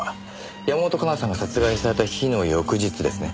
山本香奈さんが殺害された日の翌日ですね。